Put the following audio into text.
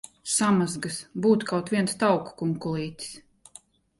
Samazgas! Būtu kaut viens tauku kunkulītis!